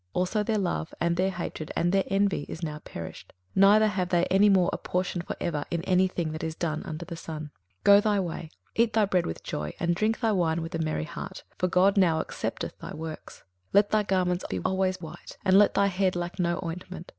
21:009:006 Also their love, and their hatred, and their envy, is now perished; neither have they any more a portion for ever in any thing that is done under the sun. 21:009:007 Go thy way, eat thy bread with joy, and drink thy wine with a merry heart; for God now accepteth thy works. 21:009:008 Let thy garments be always white; and let thy head lack no ointment.